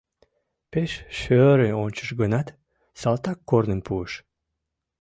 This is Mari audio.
Пеш шӧрын ончыш гынат, салтак корным пуыш.